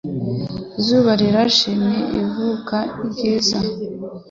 Izuba Rirashe ni ivuka ryiza;